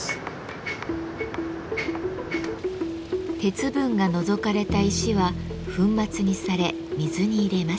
鉄分が除かれた石は粉末にされ水に入れます。